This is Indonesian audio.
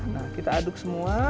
nah kita aduk semua